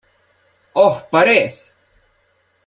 Oh, pa res.